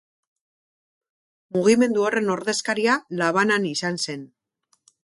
Mugimendu horren ordezkaria La Habanan izan zen.